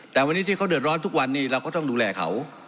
แต่วันนี้ที่เขาเดือดร้อนทุกวันนี้เราก็ต้องดูแลเขา